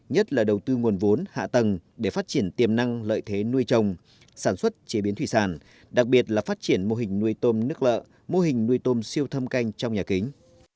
nhất là đầu tư nguồn vốn hạ tầng để phát triển tiềm năng lợi thế nuôi trồng sản xuất chế biến thủy sản đặc biệt là phát triển mô hình nuôi tôm nước lợ mô hình nuôi tôm siêu thâm canh trong nhà kính